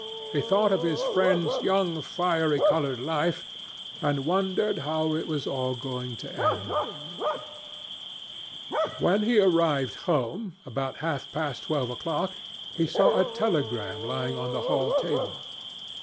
He thought of his friend's young fiery coloured life and wondered how it was all going to end. When he arrived home, about half past twelve o'clock, he saw a telegram lying on the hall table.